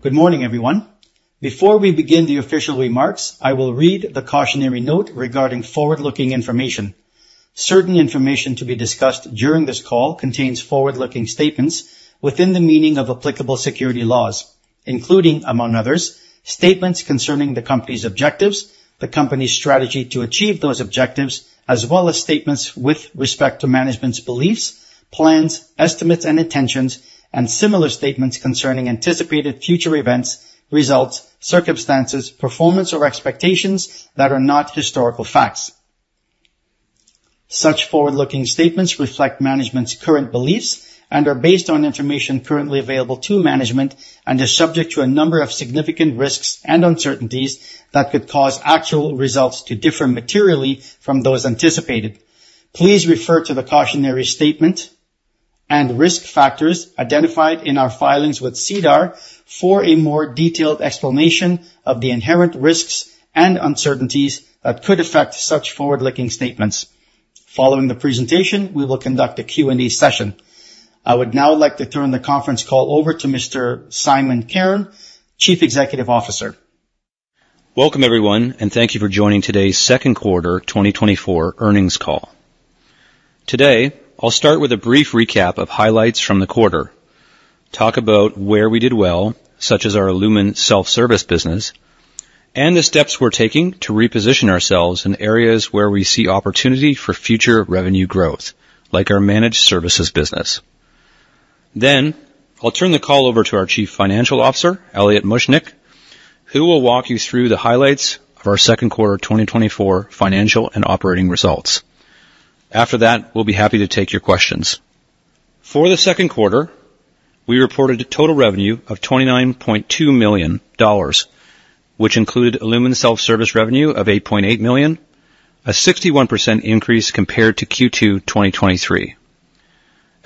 Good morning, everyone. Before we begin the official remarks, I will read the cautionary note regarding forward-looking information. Certain information to be discussed during this call contains forward-looking statements within the meaning of applicable securities laws, including, among others, statements concerning the company's objectives, the company's strategy to achieve those objectives, as well as statements with respect to management's beliefs, plans, estimates, and intentions, and similar statements concerning anticipated future events, results, circumstances, performance, or expectations that are not historical facts. Such forward-looking statements reflect management's current beliefs and are based on information currently available to management and are subject to a number of significant risks and uncertainties that could cause actual results to differ materially from those anticipated. Please refer to the cautionary statement and risk factors identified in our filings with SEDAR for a more detailed explanation of the inherent risks and uncertainties that could affect such forward-looking statements. Following the presentation, we will conduct a Q&A session. I would now like to turn the conference call over to Mr. Simon Kearney, Chief Executive Officer. Welcome, everyone, and thank you for joining today's Second Quarter 2024 Earnings Call. Today, I'll start with a brief recap of highlights from the quarter, talk about where we did well, such as our Illumin self-service business, and the steps we're taking to reposition ourselves in areas where we see opportunity for future revenue growth, like our managed services business. Then I'll turn the call over to our Chief Financial Officer, Elliot Mushnick, who will walk you through the highlights of our second quarter 2024 financial and operating results. After that, we'll be happy to take your questions. For the second quarter, we reported a total revenue of $29.2 million, which included Illumin self-service revenue of $8.8 million, a 61% increase compared to Q2 2023.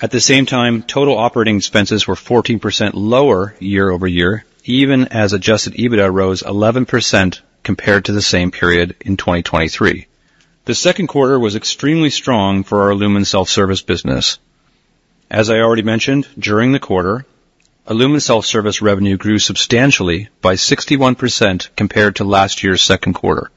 At the same time, total operating expenses were 14% lower year-over-year, even as Adjusted EBITDA rose 11% compared to the same period in 2023. The second quarter was extremely strong for our Illumin self-service business. As I already mentioned, during the quarter, Illumin self-service revenue grew substantially by 61% compared to last year's second quarter.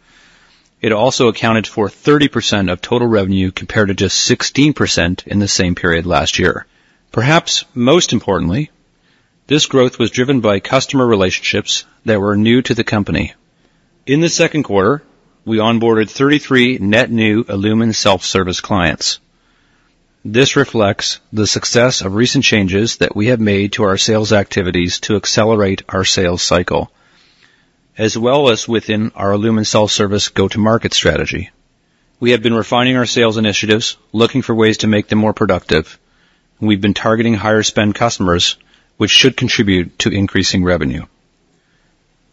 It also accounted for 30% of total revenue, compared to just 16% in the same period last year. Perhaps most importantly, this growth was driven by customer relationships that were new to the company. In the second quarter, we onboarded 33 net new Illumin self-service clients. This reflects the success of recent changes that we have made to our sales activities to accelerate our sales cycle, as well as within our Illumin self-service go-to-market strategy. We have been refining our sales initiatives, looking for ways to make them more productive. We've been targeting higher-spend customers, which should contribute to increasing revenue.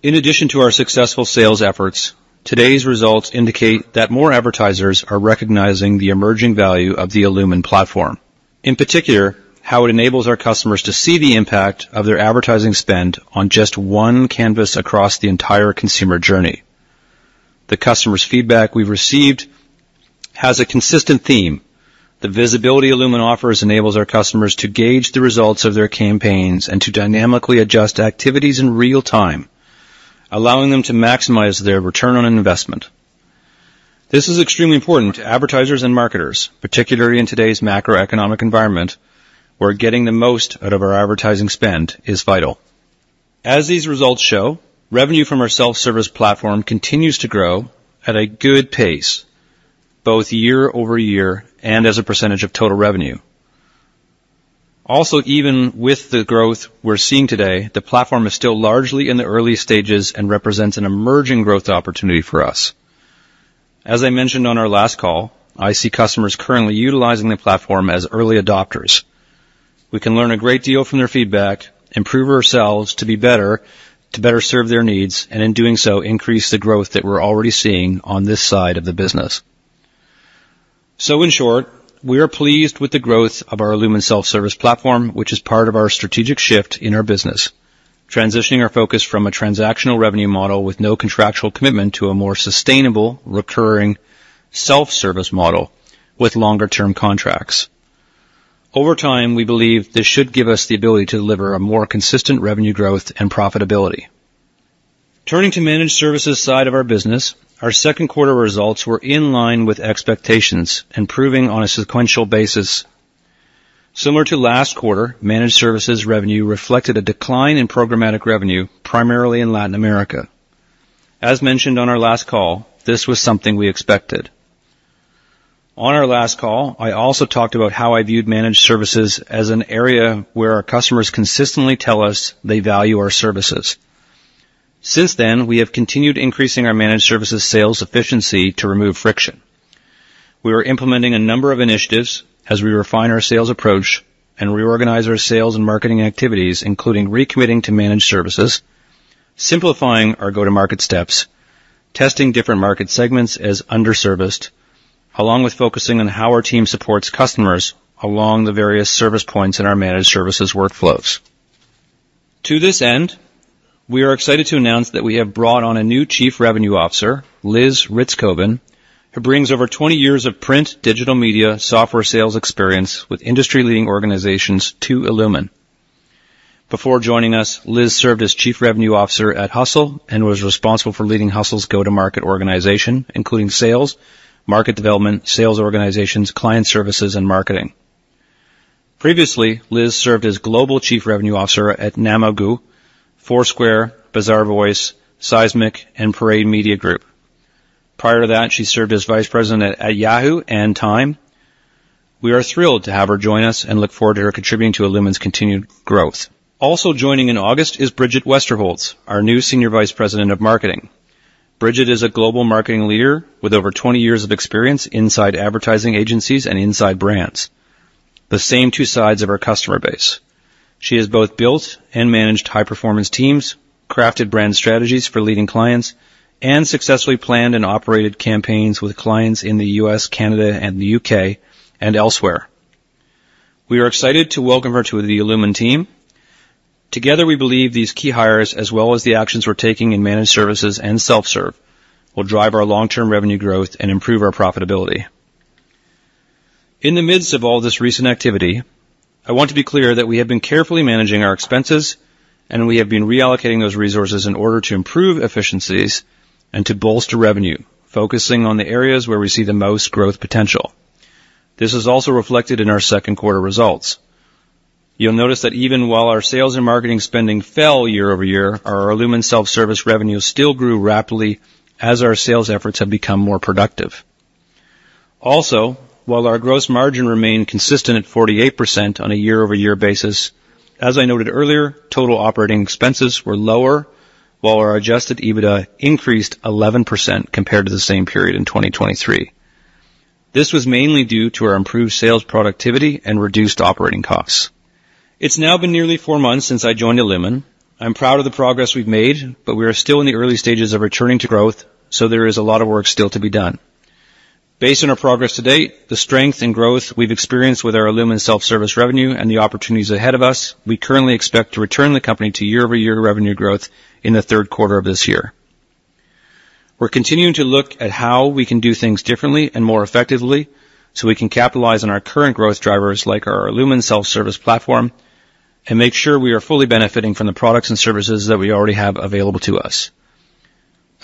In addition to our successful sales efforts, today's results indicate that more advertisers are recognizing the emerging value of the Illumin platform. In particular, how it enables our customers to see the impact of their advertising spend on just one canvas across the entire consumer journey. The customer's feedback we've received has a consistent theme. The visibility Illumin offers enables our customers to gauge the results of their campaigns and to dynamically adjust activities in real time, allowing them to maximize their return on investment. This is extremely important to advertisers and marketers, particularly in today's macroeconomic environment, where getting the most out of our advertising spend is vital. As these results show, revenue from our self-service platform continues to grow at a good pace, both year-over-year and as a percentage of total revenue. Also, even with the growth we're seeing today, the platform is still largely in the early stages and represents an emerging growth opportunity for us. As I mentioned on our last call, I see customers currently utilizing the platform as early adopters. We can learn a great deal from their feedback, improve ourselves to be better, to better serve their needs, and in doing so, increase the growth that we're already seeing on this side of the business. So in short, we are pleased with the growth of our Illumin self-service platform, which is part of our strategic shift in our business, transitioning our focus from a transactional revenue model with no contractual commitment to a more sustainable, recurring self-service model with longer-term contracts. Over time, we believe this should give us the ability to deliver a more consistent revenue growth and profitability. Turning to managed services side of our business, our second quarter results were in line with expectations, improving on a sequential basis. Similar to last quarter, managed services revenue reflected a decline in programmatic revenue, primarily in Latin America. As mentioned on our last call, this was something we expected. On our last call, I also talked about how I viewed managed services as an area where our customers consistently tell us they value our services. Since then, we have continued increasing our managed services sales efficiency to remove friction. We are implementing a number of initiatives as we refine our sales approach and reorganize our sales and marketing activities, including recommitting to managed services, simplifying our go-to-market steps, testing different market segments as underserviced, along with focusing on how our team supports customers along the various service points in our managed services workflows. To this end, we are excited to announce that we have brought on a new Chief Revenue Officer, Liz Ritzcovan, who brings over 20 years of print, digital media, software sales experience with industry-leading organizations to Illumin.... Before joining us, Liz served as Chief Revenue Officer at Hustle and was responsible for leading Hustle's go-to-market organization, including sales, market development, sales organizations, client services, and marketing. Previously, Liz served as Global Chief Revenue Officer at Namogoo, Foursquare, Bazaarvoice, Seismic, and Parade Media Group. Prior to that, she served as Vice President at Yahoo! and Time. We are thrilled to have her join us and look forward to her contributing to Illumin's continued growth. Also joining in August is Bridget Westerholz, our new Senior Vice President of Marketing. Bridget is a global marketing leader with over 20 years of experience inside advertising agencies and inside brands, the same two sides of our customer base. She has both built and managed high-performance teams, crafted brand strategies for leading clients, and successfully planned and operated campaigns with clients in the U.S., Canada, and the U.K., and elsewhere. We are excited to welcome her to the Illumin team. Together, we believe these key hires, as well as the actions we're taking in managed services and self-serve, will drive our long-term revenue growth and improve our profitability. In the midst of all this recent activity, I want to be clear that we have been carefully managing our expenses, and we have been reallocating those resources in order to improve efficiencies and to bolster revenue, focusing on the areas where we see the most growth potential. This is also reflected in our second quarter results. You'll notice that even while our sales and marketing spending fell year-over-year, our Illumin self-service revenue still grew rapidly as our sales efforts have become more productive. Also, while our gross margin remained consistent at 48% on a year-over-year basis, as I noted earlier, total operating expenses were lower, while our Adjusted EBITDA increased 11% compared to the same period in 2023. This was mainly due to our improved sales, productivity, and reduced operating costs. It's now been nearly four months since I joined Illumin. I'm proud of the progress we've made, but we are still in the early stages of returning to growth, so there is a lot of work still to be done. Based on our progress to date, the strength and growth we've experienced with our Illumin self-service revenue and the opportunities ahead of us, we currently expect to return the company to year-over-year revenue growth in the third quarter of this year. We're continuing to look at how we can do things differently and more effectively, so we can capitalize on our current growth drivers, like our Illumin Self-Service platform, and make sure we are fully benefiting from the products and services that we already have available to us.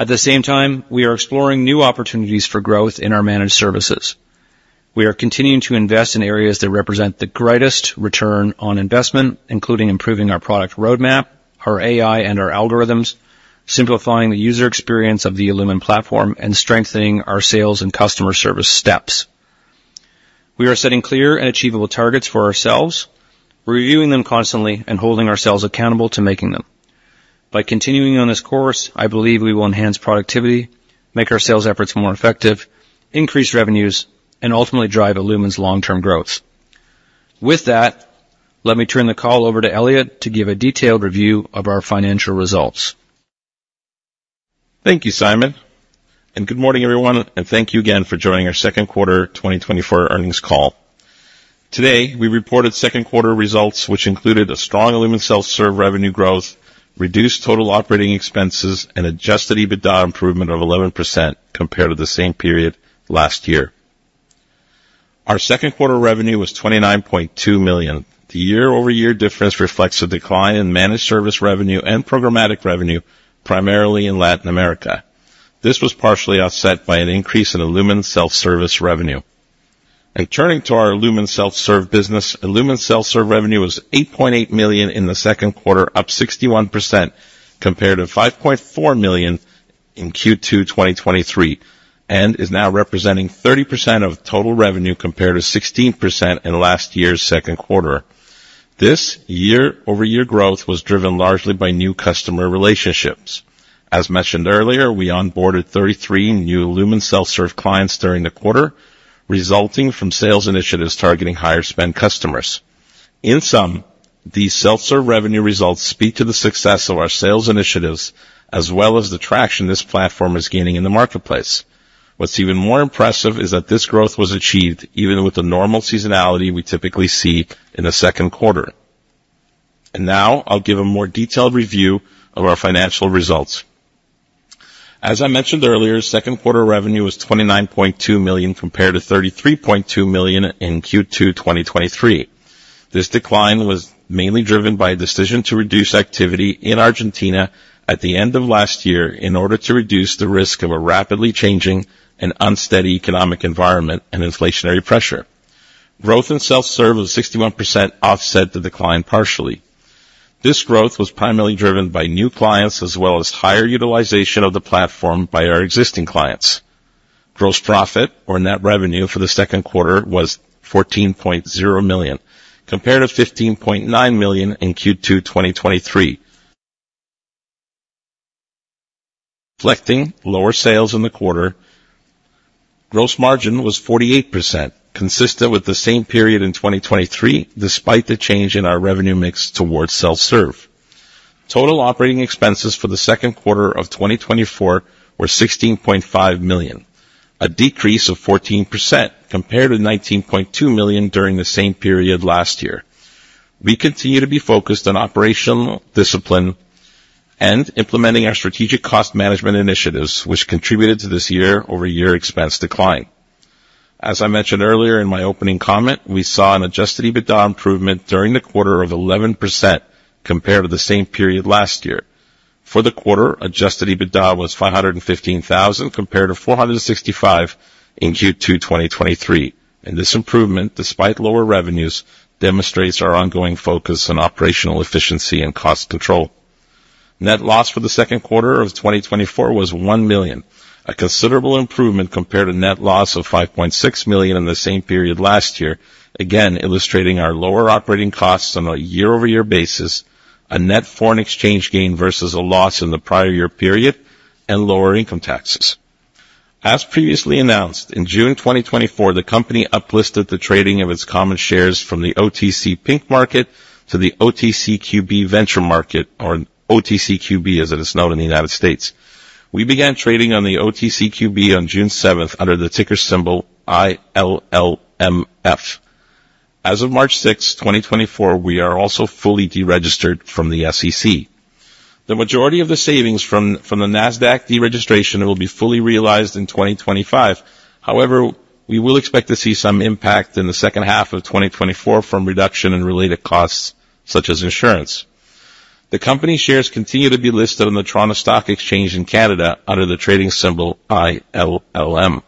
At the same time, we are exploring new opportunities for growth in our managed services. We are continuing to invest in areas that represent the greatest return on investment, including improving our product roadmap, our AI, and our algorithms, simplifying the user experience of the Illumin platform, and strengthening our sales and customer service steps. We are setting clear and achievable targets for ourselves, reviewing them constantly and holding ourselves accountable to making them. By continuing on this course, I believe we will enhance productivity, make our sales efforts more effective, increase revenues, and ultimately drive Illumin's long-term growth. With that, let me turn the call over to Elliot to give a detailed review of our financial results. Thank you, Simon, and good morning, everyone, and thank you again for joining our second quarter 2024 earnings call. Today, we reported second quarter results, which included a strong Illumin Self-Serve revenue growth, reduced total operating expenses, and Adjusted EBITDA improvement of 11% compared to the same period last year. Our second quarter revenue was 29.2 million. The year-over-year difference reflects a decline in managed service revenue and programmatic revenue, primarily in Latin America. This was partially offset by an increase in Illumin Self-Serve revenue. In turning to our Illumin Self-Serve business, Illumin Self-Serve revenue was 8.8 million in the second quarter, up 61% compared to 5.4 million in Q2 2023, and is now representing 30% of total revenue, compared to 16% in last year's second quarter. This year-over-year growth was driven largely by new customer relationships. As mentioned earlier, we onboarded 33 new Illumin Self-Serve clients during the quarter, resulting from sales initiatives targeting higher-spend customers. In sum, these self-serve revenue results speak to the success of our sales initiatives, as well as the traction this platform is gaining in the marketplace. What's even more impressive is that this growth was achieved even with the normal seasonality we typically see in the second quarter. Now I'll give a more detailed review of our financial results. As I mentioned earlier, second quarter revenue was 29.2 million, compared to 33.2 million in Q2 2023. This decline was mainly driven by a decision to reduce activity in Argentina at the end of last year in order to reduce the risk of a rapidly changing and unsteady economic environment and inflationary pressure. Growth in self-serve was 61%, offset the decline partially. This growth was primarily driven by new clients, as well as higher utilization of the platform by our existing clients. Gross profit or net revenue for the second quarter was 14.0 million, compared to 15.9 million in Q2 2023. Reflecting lower sales in the quarter, gross margin was 48%, consistent with the same period in 2023, despite the change in our revenue mix towards self-serve. Total operating expenses for the second quarter of 2024 were 16.5 million, a decrease of 14% compared to 19.2 million during the same period last year. We continue to be focused on operational discipline and implementing our strategic cost management initiatives, which contributed to this year-over-year expense decline.... As I mentioned earlier in my opening comment, we saw an Adjusted EBITDA improvement during the quarter of 11% compared to the same period last year. For the quarter, Adjusted EBITDA was 515,000, compared to 465,000 in Q2 2023, and this improvement, despite lower revenues, demonstrates our ongoing focus on operational efficiency and cost control. Net loss for the second quarter of 2024 was 1 million, a considerable improvement compared to net loss of 5.6 million in the same period last year. Again, illustrating our lower operating costs on a year-over-year basis, a net foreign exchange gain versus a loss in the prior year period and lower income taxes. As previously announced, in June 2024, the company uplisted the trading of its common shares from the OTC Pink Market to the OTCQB Venture Market, or OTCQB, as it is known in the United States. We began trading on the OTCQB on June 7th under the ticker symbol ILLMF. As of March 6th, 2024, we are also fully deregistered from the SEC. The majority of the savings from the Nasdaq deregistration will be fully realized in 2025. However, we will expect to see some impact in the second half of 2024 from reduction in related costs, such as insurance. The company shares continue to be listed on the Toronto Stock Exchange in Canada under the trading symbol ILLM,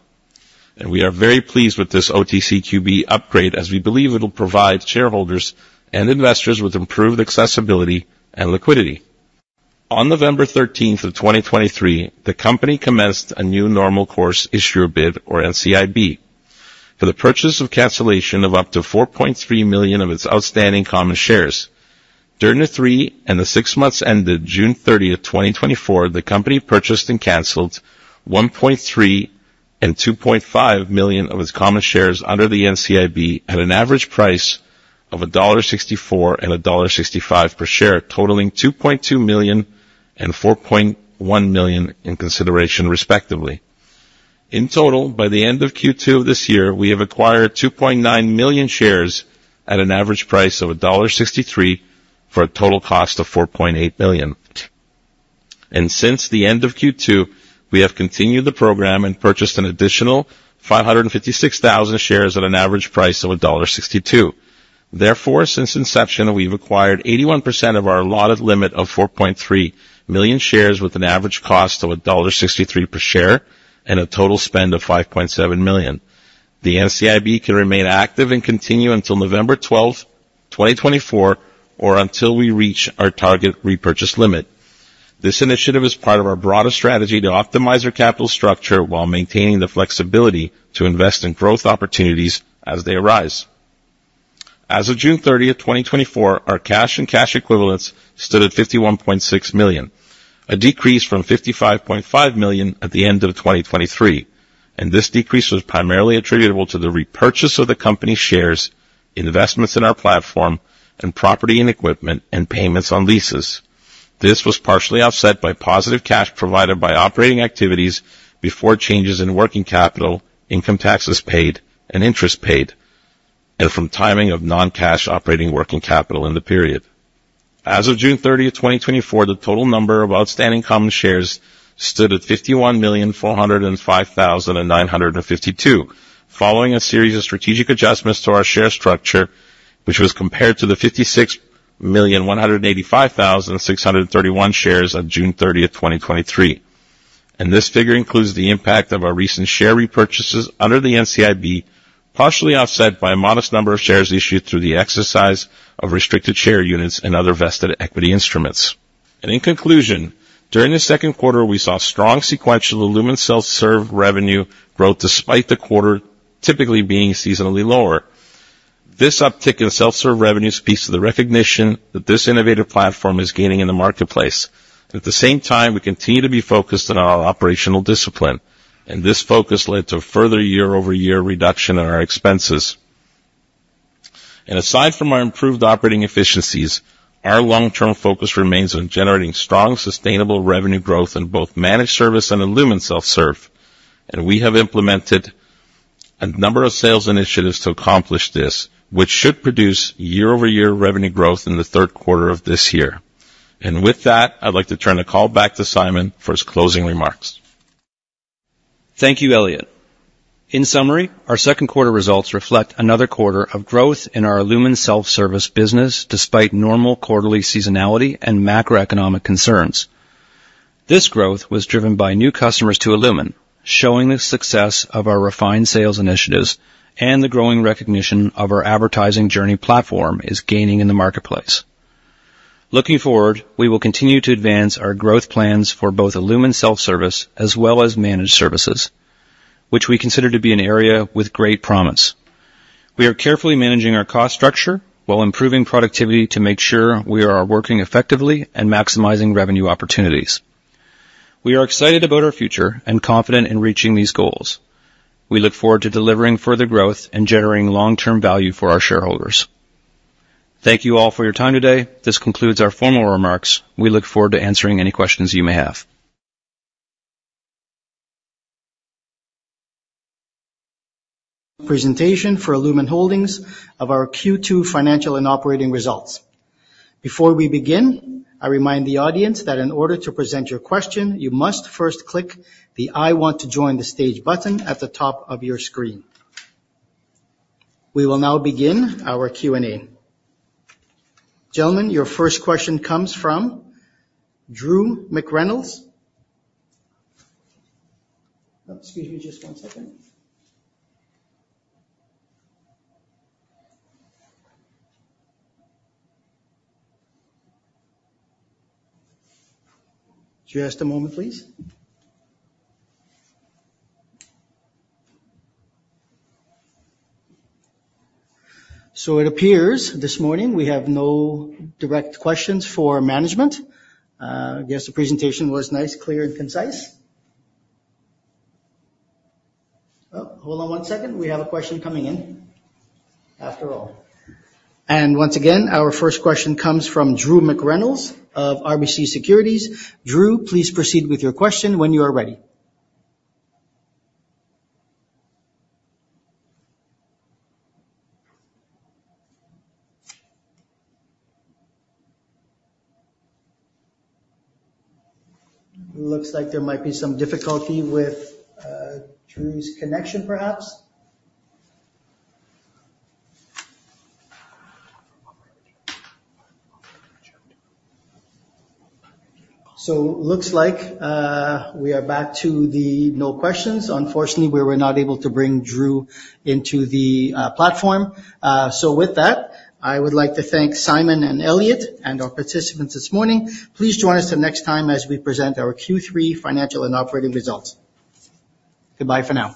and we are very pleased with this OTCQB upgrade, as we believe it'll provide shareholders and investors with improved accessibility and liquidity. On November 13th, 2023, the company commenced a new normal course issuer bid, or NCIB, for the purchase of cancellation of up to 4.3 million of its outstanding common shares. During the three and the six months ended June 30th, 2024, the company purchased and canceled 1.3 million and 2.5 million of its common shares under the NCIB, at an average price of dollar 1.64 and dollar 1.65 per share, totaling 2.2 million and 4.1 million in consideration, respectively. In total, by the end of Q2 this year, we have acquired 2.9 million shares at an average price of dollar 1.63, for a total cost of 4.8 million. Since the end of Q2, we have continued the program and purchased an additional 556,000 shares at an average price of dollar 1.62. Therefore, since inception, we've acquired 81% of our allotted limit of 4.3 million shares with an average cost of dollar 1.63 per share and a total spend of 5.7 million. The NCIB can remain active and continue until November 12th, 2024, or until we reach our target repurchase limit. This initiative is part of our broader strategy to optimize our capital structure while maintaining the flexibility to invest in growth opportunities as they arise. As of June 30th, 2024, our cash and cash equivalents stood at 51.6 million, a decrease from 55.5 million at the end of 2023, and this decrease was primarily attributable to the repurchase of the company's shares, investments in our platform, and property and equipment, and payments on leases. This was partially offset by positive cash provided by operating activities before changes in working capital, income taxes paid, and interest paid, and from timing of non-cash operating working capital in the period. As of June 30th, 2024, the total number of outstanding common shares stood at 51,405,952, following a series of strategic adjustments to our share structure, which was compared to the 56,185,631 shares on June 30th, 2023. This figure includes the impact of our recent share repurchases under the NCIB, partially offset by a modest number of shares issued through the exercise of restricted share units and other vested equity instruments. In conclusion, during the second quarter, we saw strong sequential Illumin Self-Serve revenue growth, despite the quarter typically being seasonally lower. This uptick in Self-Serve revenues speaks to the recognition that this innovative platform is gaining in the marketplace. At the same time, we continue to be focused on our operational discipline, and this focus led to further year-over-year reduction in our expenses. Aside from our improved operating efficiencies, our long-term focus remains on generating strong, sustainable revenue growth in both Managed Service and Illumin Self-Serve. We have implemented a number of sales initiatives to accomplish this, which should produce year-over-year revenue growth in the third quarter of this year. With that, I'd like to turn the call back to Simon for his closing remarks. Thank you, Elliot. In summary, our second quarter results reflect another quarter of growth in our Illumin Self-Service business, despite normal quarterly seasonality and macroeconomic concerns. This growth was driven by new customers to Illumin, showing the success of our refined sales initiatives and the growing recognition of our advertising journey platform is gaining in the marketplace. Looking forward, we will continue to advance our growth plans for both Illumin Self-Service as well as Managed Services, which we consider to be an area with great promise. We are carefully managing our cost structure while improving productivity to make sure we are working effectively and maximizing revenue opportunities. We are excited about our future and confident in reaching these goals. We look forward to delivering further growth and generating long-term value for our shareholders. Thank you all for your time today. This concludes our formal remarks. We look forward to answering any questions you may have. Presentation for Illumin Holdings of our Q2 financial and operating results. Before we begin, I remind the audience that in order to present your question, you must first click the I Want to Join the Stage button at the top of your screen. We will now begin our Q&A. Gentlemen, your first question comes from Drew McReynolds. Oh, excuse me, just one second. Just a moment, please. So it appears this morning we have no direct questions for management. I guess the presentation was nice, clear, and concise. Oh, hold on one second. We have a question coming in, after all. And once again, our first question comes from Drew McReynolds of RBC Capital Markets. Drew, please proceed with your question when you are ready. Looks like there might be some difficulty with Drew's connection, perhaps. So looks like we are back to the no questions. Unfortunately, we were not able to bring Drew into the platform. So with that, I would like to thank Simon and Elliot, and our participants this morning. Please join us the next time as we present our Q3 financial and operating results. Goodbye for now.